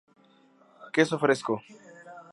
Queso fresco